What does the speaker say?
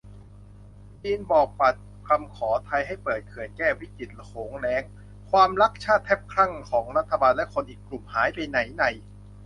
จีนบอกปัดคำขอไทยให้เปิดเขื่อนแก้วิกฤตโขงแล้ง ความรักชาติแทบคลั่งของรัฐบาลและคนอีกกลุ่มหายไปไหนใน